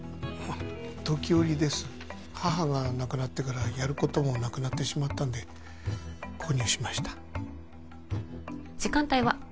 時折です母が亡くなってからやることもなくなってしまったんで購入しました時間帯は？